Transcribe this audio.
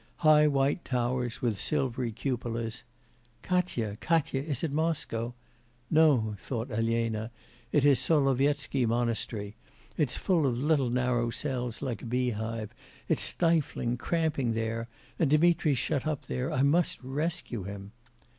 High white towers with silvery cupolas... 'Katya, Katya, is it Moscow? No,' thought Elena, 'it is Solovetsky Monastery; it's full of little narrow cells like a beehive; it's stifling, cramping there and Dmitri's shut up there. I must rescue him.